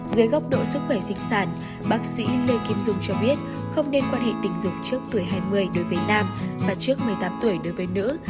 dưới góc độ sức khỏe sinh sản bác sĩ lê kim dung cho biết không nên quan hệ tình dục trước tuổi hai mươi đối với nam mà trước một mươi tám tuổi đối với nữ